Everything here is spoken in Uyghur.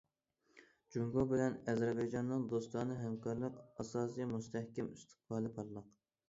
جۇڭگو بىلەن ئەزەربەيجاننىڭ دوستانە ھەمكارلىق ئاساسى مۇستەھكەم، ئىستىقبالى پارلاق.